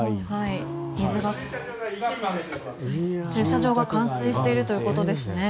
駐車場が冠水しているということです。